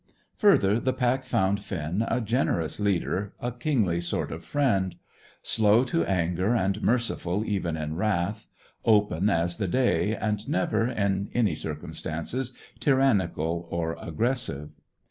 Further, the pack found Finn a generous leader, a kingly sort of friend; slow to anger, and merciful even in wrath; open as the day, and never, in any circumstances, tyrannical or aggressive.